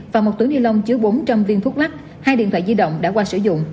và một túi ni lông chứa bốn trăm linh viên thuốc lắc hai điện thoại di động đã qua sử dụng